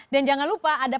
dan jangan lupa ada